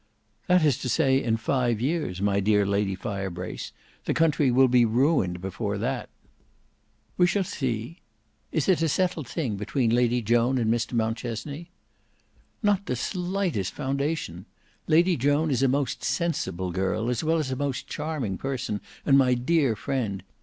"That is to say in five years, my dear Lady Firebrace. The country will be ruined before that." "We shall see. Is it a settled thing between Lady Joan and Mr Mountchesney?" "Not the slightest foundation. Lady Joan is a most sensible girl, as well as a most charming person and my dear friend.